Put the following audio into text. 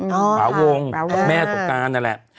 อ๋อค่ะปราวงกับแม่สงการนั่นแหละ